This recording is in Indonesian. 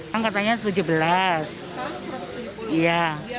biasanya ada sebelas